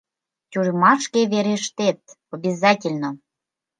— Тюрьмашке верештет... обязательно!